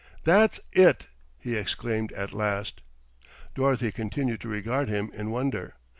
"That's it!" he exclaimed at last. Dorothy continued to regard him in wonder.